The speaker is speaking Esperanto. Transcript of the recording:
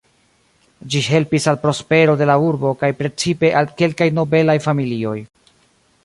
Ĝi helpis al prospero de la urbo kaj precipe al kelkaj nobelaj familioj.